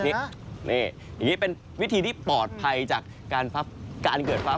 อย่างนี้เป็นวิธีที่ปลอดภัยจากการเกิดฟ้า